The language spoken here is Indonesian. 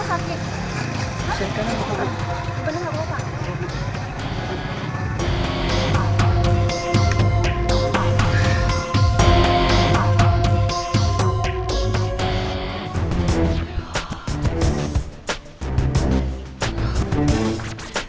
astri itu gak penting